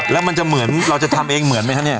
แล้วมันจะเหมือนเราจะทำเองเหมือนไหมครับเนี่ย